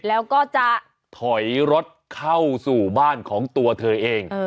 แล้วก็จะถอยรถเข้าสู่บ้านของตัวเธอเอง